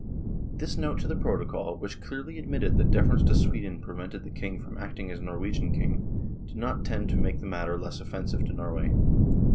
This note to the protocol, which clearly admitted that deference to Sweden prevented the King from acting as Nor wegian King, did not tend to make the matter less offensive to Norway.